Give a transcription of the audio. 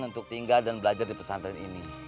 untuk tinggal dan belajar di pesantren ini